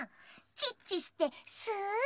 「チッチしてスー」ス